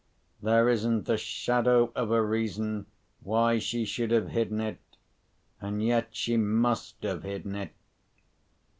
There isn't the shadow of a reason why she should have hidden it—and yet she must have hidden it.